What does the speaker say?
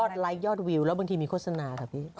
ไลค์ยอดวิวแล้วบางทีมีโฆษณาค่ะพี่